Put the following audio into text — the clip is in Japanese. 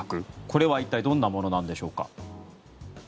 これは一体どんなものなんでしょうか？